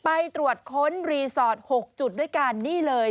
ไปตรวจค้นรีสอร์ท๖จุดด้วยกันนี่เลย